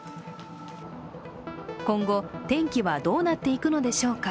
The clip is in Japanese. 今後、天気はどうなっていくのでしょうか。